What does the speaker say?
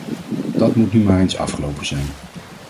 Dat moet nu maar eens afgelopen zijn.